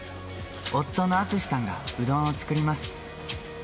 夫の厚さんがうどんを作ります。